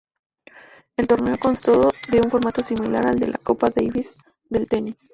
El torneo constó de un formato similar al de la Copa Davis del tenis.